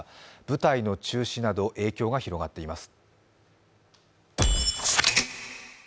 舞台の中止など影響が広がっています。